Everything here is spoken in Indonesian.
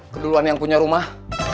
keduluan yang punya rumah